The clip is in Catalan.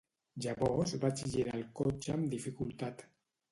Llavors vaig girar el cotxe amb dificultat.